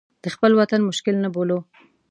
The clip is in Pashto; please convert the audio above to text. د خپل وطن مشکل نه بولو.